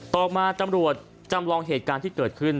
ต่อมาตำรวจจำลองเหตุการณ์ที่เกิดขึ้น